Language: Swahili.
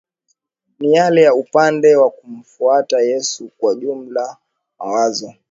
ni yale ya upendo ya kumfuata Yesu Kwa jumla mawazo